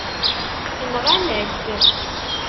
Nɣan-ak-t.